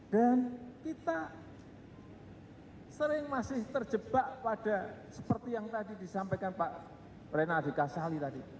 dan kita sering masih terjebak pada seperti yang tadi disampaikan pak renaldi kasali tadi